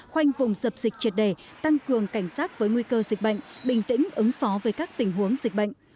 khoanh vùng dập dịch triệt đề tăng cường cảnh sát với nguy cơ dịch bệnh bình tĩnh ứng phó với các tình huống dịch bệnh